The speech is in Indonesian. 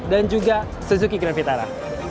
dan juga suzuki grand vitara